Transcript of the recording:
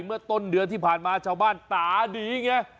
เมื่อต้นเดือนที่ผ่านมาจากชาวบ้านต๋าดีเนี่ย